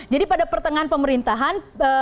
jadi pada pertengahan pemerintahan